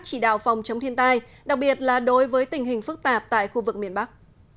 chỉ đạo phòng chống thiên tai đặc biệt là đối với tình hình phức tạp tại khu vực miền bắc